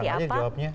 sekarang aja jawabnya